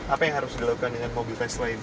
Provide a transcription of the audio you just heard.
apa yang harus dilakukan dengan mobil fast lane